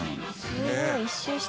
すごい。